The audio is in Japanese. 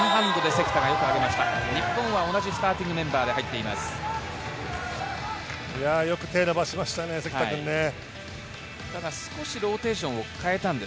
日本は同じスターティングメンバーで入っています。